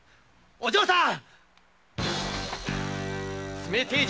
お嬢さん！